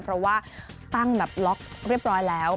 เพราะว่าตั้งแบบล็อกเรียบร้อยแล้ว